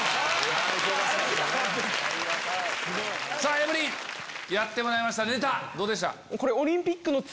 エブリンやってもらいましたネタどうでした？